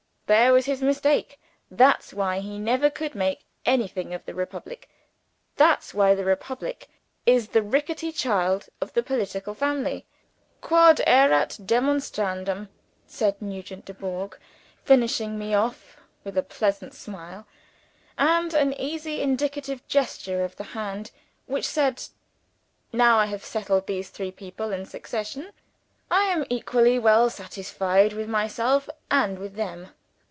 There was his mistake. That's why he never could make anything of the republic. That's why the republic is the ricketty child of the political family. Quod erat demonstrandum," said Nugent Dubourg, finishing me off with a pleasant smile, and an easy indicative gesture of the hand which said, "Now I have settled these three people in succession, I am equally well satisfied with myself and with them!"